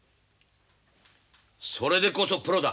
それでこそプロだ。